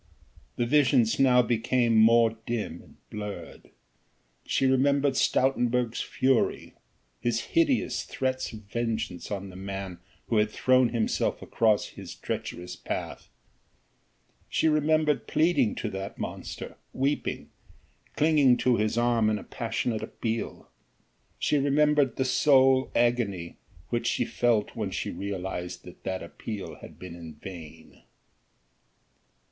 The visions now became more dim and blurred. She remembered Stoutenburg's fury, his hideous threats of vengeance on the man who had thrown himself across his treacherous path. She remembered pleading to that monster, weeping, clinging to his arm in a passionate appeal. She remembered the soul agony which she felt when she realized that that appeal had been in vain.